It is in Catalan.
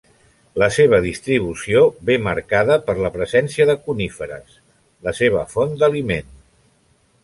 La seva distribució ve marcada per la presència de coníferes, la seva font d'aliment.